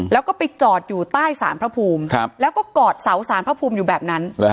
แล้วก็ไปจอดอยู่ใต้สารพระภูมิแล้วก็กอดเสาสารพระภูมิอยู่แบบนั้น